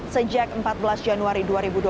sejak empat belas januari dua ribu dua puluh